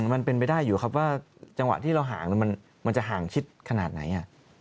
มันเป็นไปได้อยู่ครับว่าจังหวะที่เราห่างมันจะห่างชิดขนาดไหน